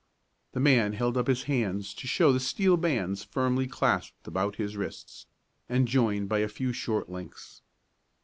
The man held up his hands to show the steel bands firmly clasped about his wrists, and joined by a few short links.